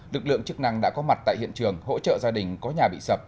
lực lượng chức năng đã có mặt tại hiện trường hỗ trợ gia đình có nhà bị sập